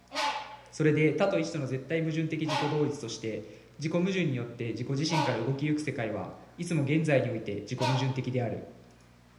それで多と一との絶対矛盾的自己同一として、自己矛盾によって自己自身から動き行く世界は、いつも現在において自己矛盾的である。